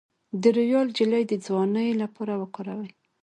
د رویال جیلی د ځوانۍ لپاره وکاروئ